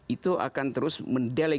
itu akan terus mendelegasikan